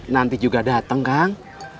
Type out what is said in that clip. nanti juga dateng kang